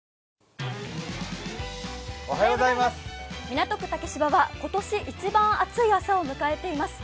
港区竹芝は今年一番暑い朝を迎えています。